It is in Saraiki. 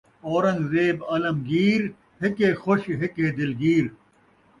اورنگ زیب عالمگیر ہک ہے خوش ہک ہے دلگیر